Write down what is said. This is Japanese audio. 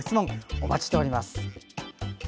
お待ちしております。